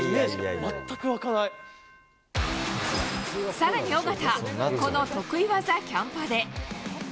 さらに緒方、この得意技、キャンパで。